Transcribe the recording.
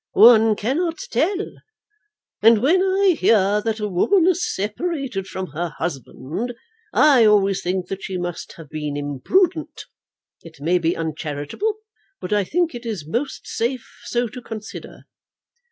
"One cannot tell. And when I hear that a woman is separated from her husband, I always think that she must have been imprudent. It may be uncharitable, but I think it is most safe so to consider."